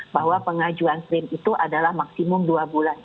bahwa pengajuan krim itu adalah maksimum dua bulan